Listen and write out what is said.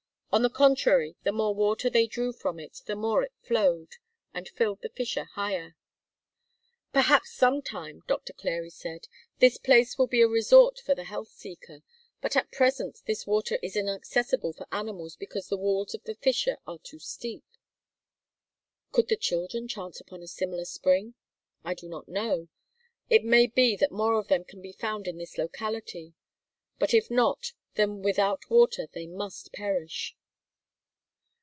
On the contrary the more water they drew from it the more it flowed, and filled the fissure higher. "Perhaps sometime," Doctor Clary said, "this place will be a resort for the health seeker, but at present this water is inaccessible for animals because the walls of the fissure are too steep." "Could the children chance upon a similar spring?" "I do not know. It may be that more of them can be found in this locality. But if not, then without water they must perish."